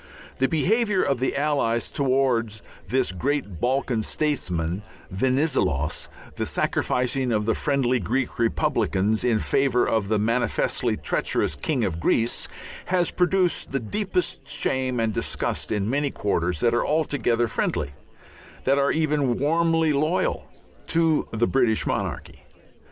The behaviour of the Allies towards that great Balkan statesman Venizelos, the sacrificing of the friendly Greek republicans in favour of the manifestly treacherous King of Greece, has produced the deepest shame and disgust in many quarters that are altogether friendly, that are even warmly "loyal" to the British monarchy.